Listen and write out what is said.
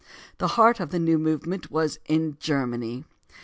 The heart of the new movement was in Germany.